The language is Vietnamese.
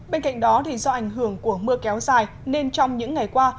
bên cạnh đó do ảnh hưởng của mưa kéo dài nên trong những ngày qua